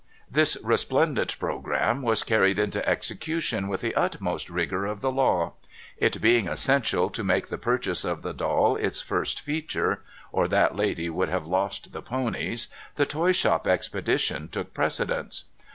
This resplendent programme was carried into execution with the utmost rigour of the law. It being essential to make the purchase of the doll its first feature — or that lady would have lost the ponies — the toy shop expedition took precedence.